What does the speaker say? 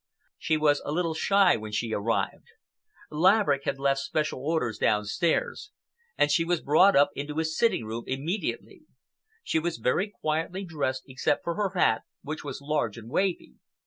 She was a little shy when she arrived. Laverick had left special orders downstairs, and she was brought up into his sitting room immediately. She was very quietly dressed except for her hat, which was large and wavy.